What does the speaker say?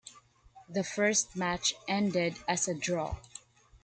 The first match ended as a draw.